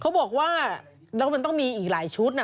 เขาบอกว่าแล้วมันต้องมีอีกหลายชุดนะ